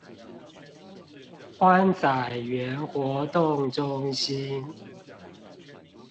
歡仔園活動中心